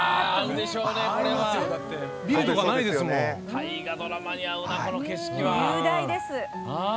大河ドラマに合うなこの景色は。